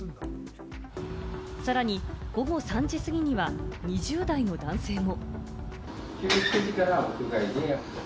さらに午後３時過ぎには２０代の男性も。